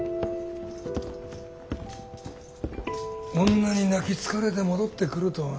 女に泣きつかれて戻ってくるとはな。